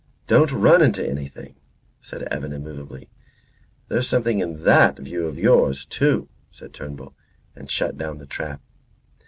"Don't run into anything," said Evan, immovably. "There's something in that view of yours, too," said Turnbull, and shut down the trap.